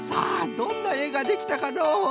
どんなえができたかのう？